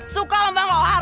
suka lombang kohar